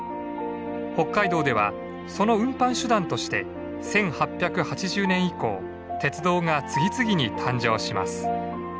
北海道ではその運搬手段として１８８０年以降鉄道が次々に誕生します。